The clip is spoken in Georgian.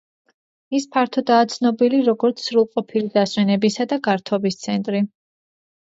ის ფართოდაა ცნობილი, როგორც სრულყოფილი დასვენებისა და გართობის ცენტრი.